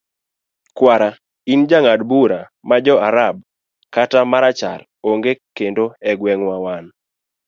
kwara in, jang'ad bura ma joarab kata marachar onge kendo e gweng',wan